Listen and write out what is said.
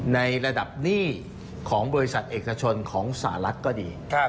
ในระดับหนี้ของบริษัทเอกชนของสหรัฐก็ดี